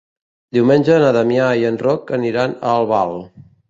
Diumenge na Damià i en Roc aniran a Albal.